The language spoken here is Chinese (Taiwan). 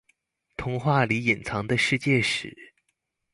童話裡隱藏的世界史